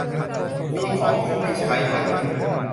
มีของที่ไม่ใช้ไหม